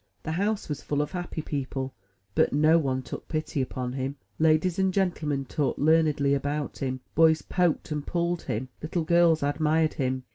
The house was full of happy people, but no one took pity upon him. Ladies and gentlemen talked learnedly about him; boys poked and pulled him; little girls admired him.